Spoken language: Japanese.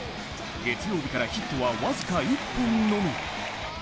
月曜日からヒットは僅か１本のみ。